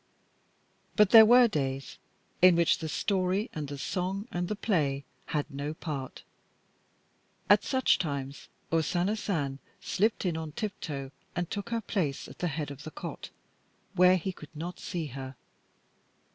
But there were days in which the story and the song and the play had no part. At such times O Sana San slipped in on tiptoe and took her place at the head of the cot where he could not see her.